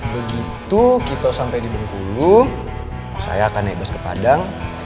begitu kita sampai di bengkulu saya akan nebes ke padang